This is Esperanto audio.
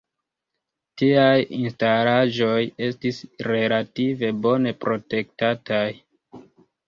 Tiaj instalaĵoj estis relative bone protektataj.